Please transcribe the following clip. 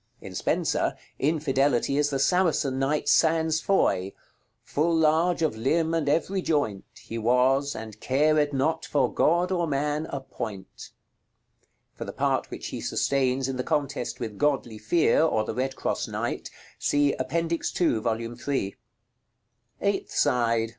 In Spenser, Infidelity is the Saracen knight Sans Foy, "Full large of limbe and every joint He was, and cared not for God or man a point." For the part which he sustains in the contest with Godly Fear, or the Red cross knight, see Appendix 2, Vol. III. § LXXVI. Eighth side.